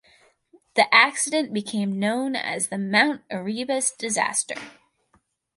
The accident became known as the Mount Erebus disaster.